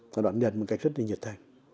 nó đoán nhận bằng cách rất là nhiệt thành